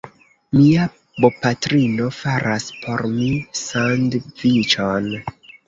Mia bopatrino faras por mi sandviĉon.